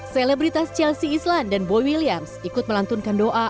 selebritas chelsea island dan boy williams ikut melantunkan doa